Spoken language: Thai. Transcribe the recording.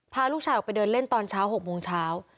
พาลูกชายออกไปเดินเล่นตอนเช้า๖โมงเช้า